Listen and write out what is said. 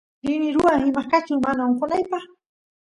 rini ruwaq imaqkachun mana onqonaypaq